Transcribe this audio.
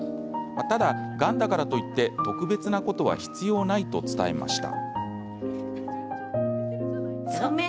ただ、がんだからといって特別なことは必要ないと伝えました。